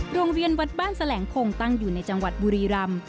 โรงเรียนวัดบ้านแสลงคงตั้งอยู่ในจังหวัดบุรีรำ